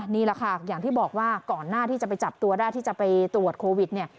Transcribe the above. นี่แหละค่ะอย่างที่บอกว่าก่อนหน้าที่จะไปจับตัวได้ที่จะไปตรวจโควิดเนี่ย